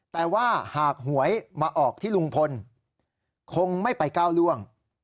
แต่ว่าหากหวยมาออกที่ลุงพลคงไม่ไปก้าวล่วง